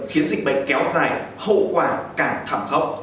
khiến dịch bệnh kéo dài hậu quả càng thảm khốc